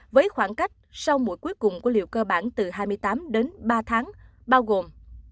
với khoảng cách sau mỗi cuối cùng của liệu cơ bản từ hai mươi tám đến ba tháng bao gồm